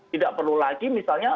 tidak perlu lagi misalnya